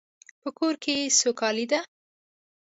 په کور کې سوکالی ده